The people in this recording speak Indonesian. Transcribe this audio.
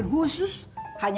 tante duduk aja